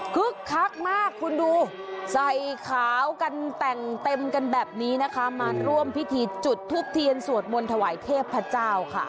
คักมากคุณดูใส่ขาวกันแต่งเต็มกันแบบนี้นะคะมาร่วมพิธีจุดทึบเทียนสวดมนต์ถวายเทพเจ้าค่ะ